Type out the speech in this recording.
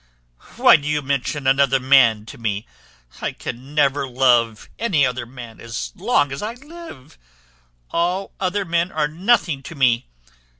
Why do you mention another man to me? I can never love any other man as long as I live. All other men are nothing to me.